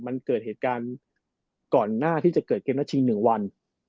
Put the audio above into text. มันเกิดเหตุการณ์ก่อนหน้าที่จะเกิดเกมนัดชิง๑วัน